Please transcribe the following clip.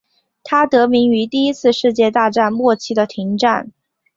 它得名于第一次世界大战末期的停战。